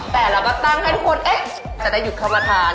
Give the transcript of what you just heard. แต่เราก็ตั้งให้ทุกคนจะได้หยุดเข้ามาทาน